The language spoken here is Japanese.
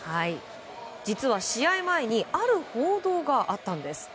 実は試合前にある報道があったんです。